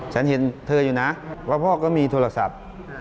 ฉันเห็นเธออยู่นะว่าพ่อก็มีโทรศัพท์